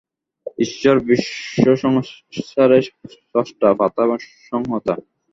ঈশ্বর বিশ্বসংসারের স্রষ্টা, পাতা এবং সংহর্তা।